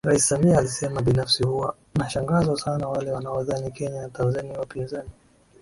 Rais Samia alisemaBinafsi huwa nashangazwa sana wale wanaodhani Kenya na Tanzania ni wapinzani